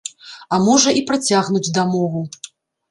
А можа, і працягнуць дамову.